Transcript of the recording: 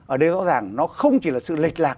ở đây rõ ràng nó không chỉ là sự lệch lạc